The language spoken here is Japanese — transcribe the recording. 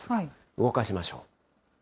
動かしましょう。